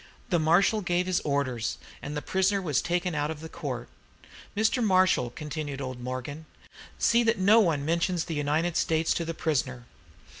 The marshal gave his orders and the prisoner was taken out of court. "Mr. Marshal," continued old Morgan, "see that no one mentions the United States to the prisoner.